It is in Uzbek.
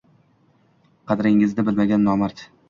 Qadringizni bilmagan nomard